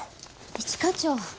一課長。